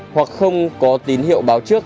hoặc không có tín hiệu báo trước